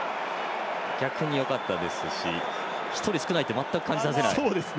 逆によかったですし１人少ないって全く感じさせない。